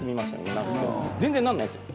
全然なんないんですよ